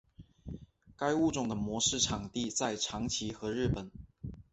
该物种的模式产地在长崎和日本。